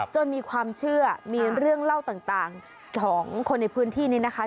จนมีความเชื่อมีเรื่องเล่าต่างของคนในพื้นที่นี้นะคะ